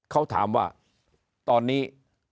เขาถามว่าตอนนี้